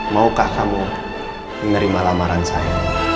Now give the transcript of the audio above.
maukah kamu menerima lamaran saya